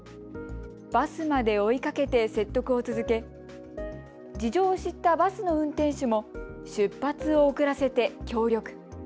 バスまで追いかけて説得を続け事情を知ったバスの運転手も出発を遅らせて協力。